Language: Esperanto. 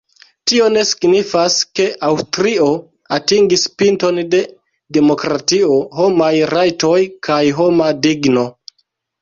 Tio ne signifas, ke Aŭstrio atingis pinton de demokratio, homaj rajtoj kaj homa digno.